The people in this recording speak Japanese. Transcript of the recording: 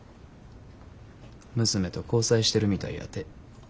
娘と交際してるみたいやて。